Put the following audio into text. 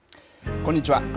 こんにちは。